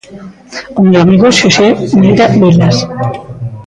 Ao meu amigo Xosé Neira Vilas.